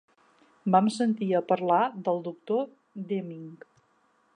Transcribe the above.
Vam sentir a parlar del doctor Deming.